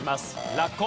ラッコ。